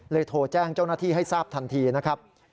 โทรแจ้งเจ้าหน้าที่ให้ทราบทันทีนะครับ